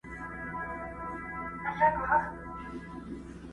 یو پر تا مین یم له هر یار سره مي نه لګي٫